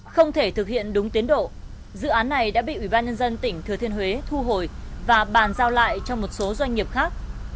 không thể thực hiện đúng tiến độ dự án này đã bị ủy ban nhân dân tỉnh thừa thiên huế thu hồi và bàn giao lại cho một số doanh nghiệp khác